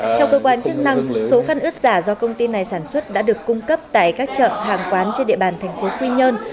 theo cơ quan chức năng số căn ướt giả do công ty này sản xuất đã được cung cấp tại các chợ hàng quán trên địa bàn thành phố quy nhơn